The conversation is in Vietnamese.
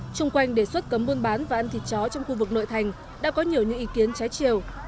trung quanh đề xuất cấm muôn bán và ăn thịt chó trong khu vực nội thành đã có nhiều những ý kiến trái chiều